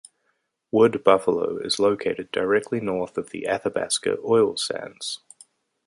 Wood Buffalo is located directly north of the Athabasca Oil Sands.